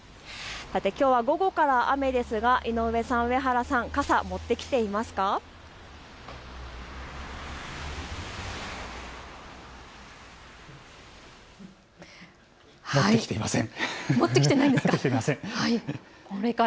きょうは午後から雨ですが井上さん、上原さん、傘持ってきていますか。